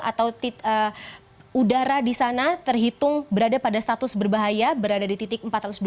atau udara di sana terhitung berada pada status berbahaya berada di titik empat ratus dua puluh